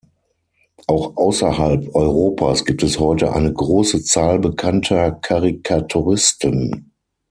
Auch außerhalb Europas gibt es heute eine große Zahl bekannter Karikaturisten.